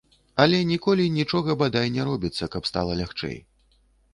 Але ніколі нічога бадай не робіцца, каб стала лягчэй.